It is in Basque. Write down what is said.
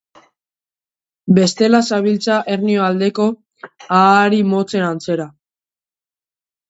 Bestela zabiltza Hernio aldeko ahari motzen antzera.